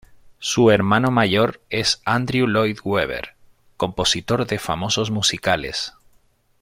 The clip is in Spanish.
Su hermano mayor es Andrew Lloyd Webber, compositor de famosos musicales.